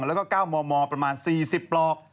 แล้วก็๙มมประมาณ๔๐ปลอก